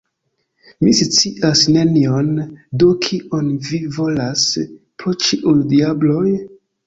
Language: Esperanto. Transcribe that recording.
Mi scias nenion; do kion vi volas, pro ĉiuj diabloj?